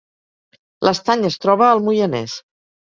L’Estany es troba al Moianès